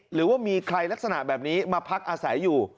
หรือว่ามีใครลักษณะแบบนี้มาพักอาศัยอยู่